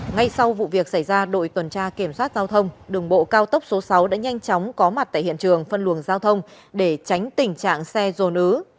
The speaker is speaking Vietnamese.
ngay sau vụ việc xảy ra đội tuần tra kiểm soát giao thông đường bộ cao tốc số sáu đã nhanh chóng có mặt tại hiện trường phân luồng giao thông để tránh tình trạng xe dồn ứ